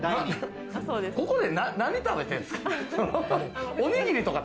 ここで何食べてるんですか？